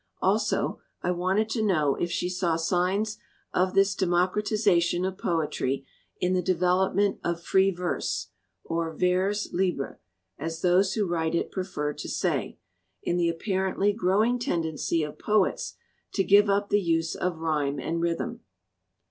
Also I wanted to know if she saw signs of this democratization of poetry in the development of free verse, or vers libre, as those who write it prefer to say, in the apparently grow ing tendency of poets to give up the use of rhyme and rhythm.